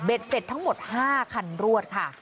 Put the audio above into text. เสร็จทั้งหมด๕คันรวดค่ะ